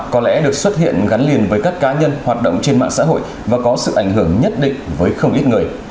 có lẽ được xuất hiện gắn liền với các cá nhân hoạt động trên mạng xã hội và có sự ảnh hưởng nhất định với không ít người